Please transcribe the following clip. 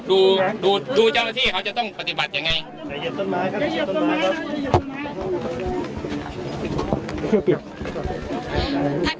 ทัชทั้งหมด